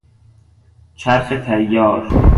چرخ طیار